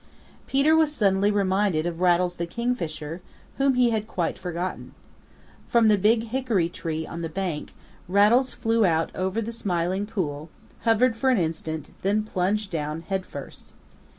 Peter was suddenly reminded of Rattles the Kingfisher, whom he had quite forgotten. From the Big Hickory tree on the bank, Rattles flew out over the Smiling Pool, hovered for an instant, then plunged down head first.